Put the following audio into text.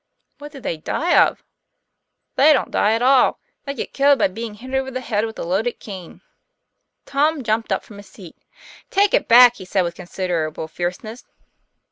"What do they die of?" "They don't die at all; they get killed by being hit over the head with a loaded cane." Tom jumped up from his seat. "Take it back," he said, with considerable fierce ness.